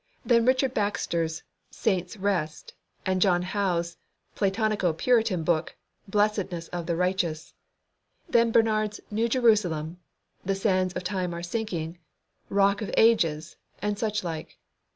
Then Richard Baxter's Saint's Rest, and John Howe's Platonico Puritan book, Blessedness of the Righteous. Then Bernard's "New Jerusalem," "The Sands of Time are sinking," "Rock of Ages," and such like.